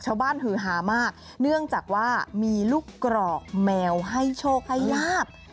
หือหามากเนื่องจากว่ามีลูกกรอกแมวให้โชคให้ลาบ